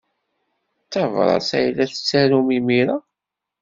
D tabṛat ay la tettarum imir-a?